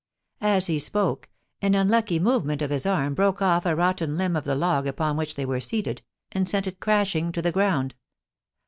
As he spoke, an unlucky movement of his arm broke off a rotten limb of the log upon which they were seated, and sent it crashing to the ground.